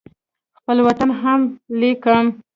خپل وطن هم لیکم.